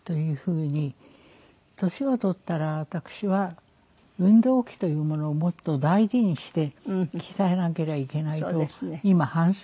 年を取ったら私は運動器というものをもっと大事にして鍛えなければいけないと今反省いたしまして。